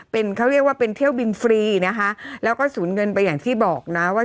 เป็นเขาเรียกว่าเป็นเที่ยวบินฟรีนะคะแล้วก็สูญเงินไปอย่างที่บอกนะว่า